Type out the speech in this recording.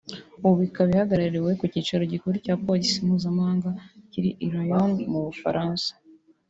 ubu ikaba ihagarariwe ku cyicaro gikuru cya Polisi mpuzamahanga kiri i Lyon mu Bufaransa